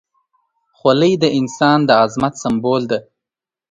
خولۍ د انسان د عظمت سمبول ده.